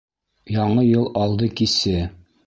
Яңы йыл алды кисе.